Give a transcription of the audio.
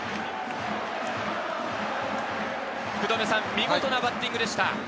見事なバッティングでした。